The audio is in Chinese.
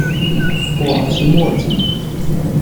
布瓦西莫吉。